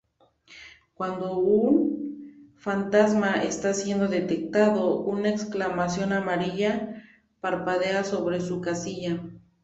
Cuando un fantasma está siendo detectado, una exclamación amarilla parpadea sobre su casilla.